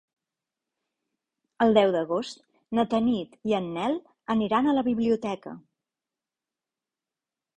El deu d'agost na Tanit i en Nel aniran a la biblioteca.